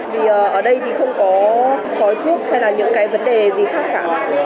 vì ở đây thì không có khói thuốc hay là những cái vấn đề gì khác cả